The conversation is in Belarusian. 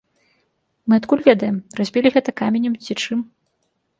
Мы адкуль ведаем, разбілі гэта каменем ці чым?